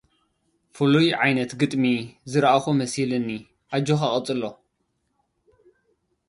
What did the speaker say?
ፍሉይ ዓይነት ግጥሚ ዝረኣኩ መሲልኒ ኣጆካ ቀጽሎ